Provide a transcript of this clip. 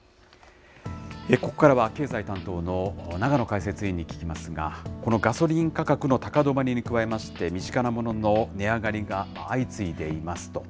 ここからは経済担当の永野解説委員に聞きますが、このガソリン価格の高止まりに加えまして、身近なものの値上がりが相次いでいますと。